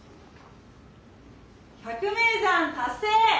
百名山達成。